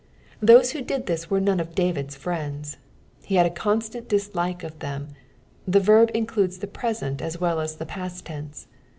Those who did this were none of David's friends ; he had a constaoc dislike to them : the verb includes the present as well as the past t«nge.